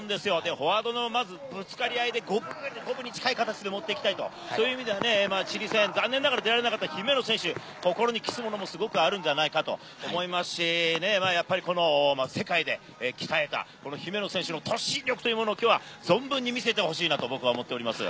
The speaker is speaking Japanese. フォワードのまずぶつかり合いで五分に近い形で持っていきたいという意味ではチリ戦、残念ながら出られなかった姫野選手、心に期すものもあるんじゃないかと思いますし、やっぱりこの世界で鍛えた姫野選手の突進力というものを、きょうは存分に見せてほしいなと思ってます。